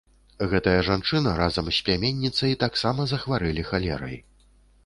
Гэтая жанчына разам з пляменніцай таксама захварэлі халерай.